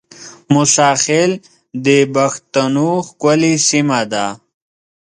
موساخېل د بښتنو ښکلې سیمه ده